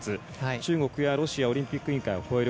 中国やロシアオリンピック委員会を超える。